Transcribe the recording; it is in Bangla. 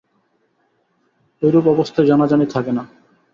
ঐরূপ অবস্থায় জানাজানি থাকে না।